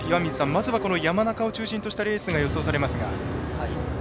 まずは山中を中心としたレースが予想されますが。